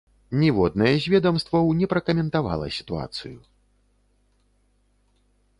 Ніводнае з ведамстваў не пракаментавала сітуацыю.